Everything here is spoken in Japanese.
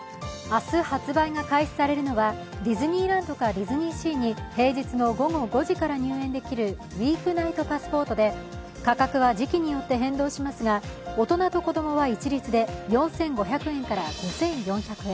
明日、発売が開始されるのはディズニーランドかディズニーシーに平日の午後５時から入園できるウィークナイトパスポートで価格は時期によって変動しますが、大人と子供は一律で４５００円から５４００円。